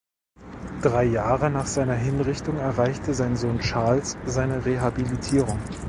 Drei Jahre nach seiner Hinrichtung erreichte sein Sohn Charles seine Rehabilitierung.